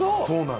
そう！